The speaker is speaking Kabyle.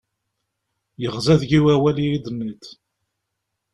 Yeɣza deg-i wawal iyi-tenniḍ.